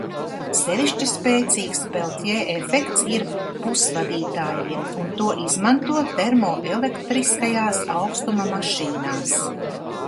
Sevišķi spēcīgs Peltjē efekts ir pusvadītājiem un to izmanto termoelektriskajās aukstuma mašīnās.